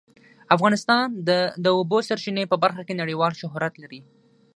افغانستان د د اوبو سرچینې په برخه کې نړیوال شهرت لري.